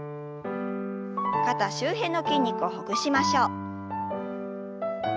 肩周辺の筋肉をほぐしましょう。